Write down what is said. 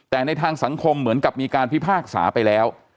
แต่ในทางสังคมเหมือนกับมีการพิพากษาไปแล้ว